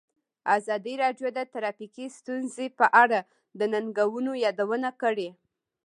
ازادي راډیو د ټرافیکي ستونزې په اړه د ننګونو یادونه کړې.